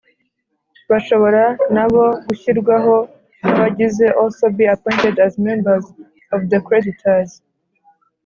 bashobora na bo gushyirwaho nk abagize also be appointed as members of the creditors